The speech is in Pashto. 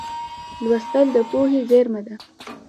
لوستل د پوهې زېرمه ده.